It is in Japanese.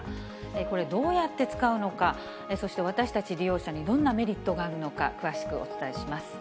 これ、どうやって使うのか、そして私たち利用者にどんなメリットがあるのか、詳しくお伝えします。